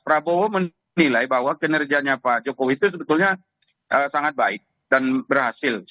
prabowo menilai bahwa kinerjanya pak jokowi itu sebetulnya sangat baik dan berhasil